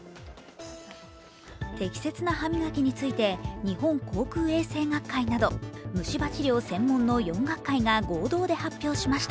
適切な歯磨きについて日本口腔衛生学会など、虫歯治療専門の４学会が合同で発表しました。